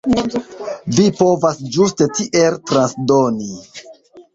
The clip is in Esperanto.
Vi povas ĝuste tiel transdoni.